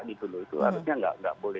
itu harusnya nggak boleh